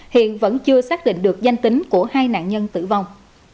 hiện vẫn chưa xác định được danh tính của hai nạn nhân tử vong